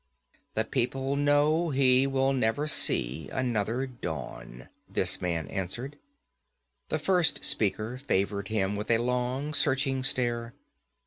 'The people know he will never see another dawn,' this man answered. The first speaker favored him with a long, searching stare.